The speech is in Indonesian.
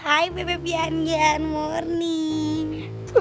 hai bebep yan yan selamat pagi